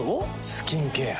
スキンケア。